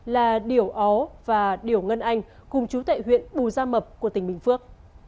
là điểu ó và điểu ngân anh cùng chú tại huyện bù gia mập của tỉnh bình phước